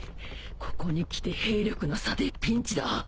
ここにきて兵力の差でピンチだ。